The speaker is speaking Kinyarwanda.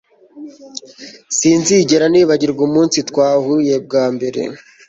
Sinzigera nibagirwa umunsi twahuye bwa mbere